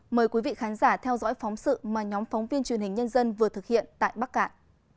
mời quý vị khán giả theo dõi phóng sự mà nhóm phóng viên truyền hình nhân dân vừa thực hiện tại bắc cạn